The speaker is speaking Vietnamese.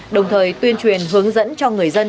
đồng thời tuyên truyền hướng dẫn cho người dân